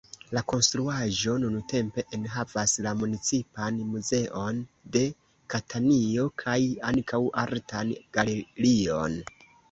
La konstruaĵo nuntempe enhavas la municipan muzeon de Katanio, kaj ankaŭ artan galerion.